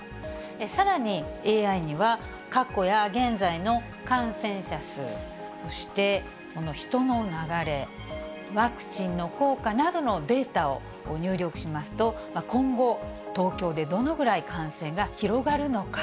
さらに、ＡＩには過去や現在の感染者数、そして人の流れ、ワクチンの効果などのデータを入力しますと、今後、東京でどのぐらい感染が広がるのか。